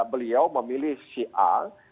beliau memilih si a